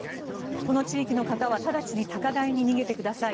この地域の方は直ちに高台に逃げてください。